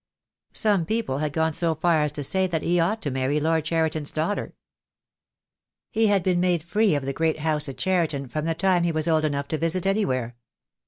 Some people had gone so far as to say that he ought to marry Lord Cheriton's daughter. He had been made free of the great house at Cheri ton from the time he was old enough to visit anywhere.